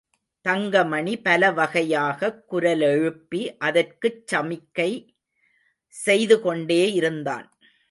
தங்கமணி பல வகையாகக் குரலெழுப்பி அதற்குச் சமிக்கை செய்துகொண்டே இருந்தான்.